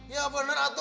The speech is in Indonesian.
ya benar atuh